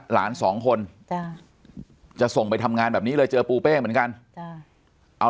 หลานสองคนจะส่งไปทำงานแบบนี้เลยเจอปูเป้เหมือนกันเอา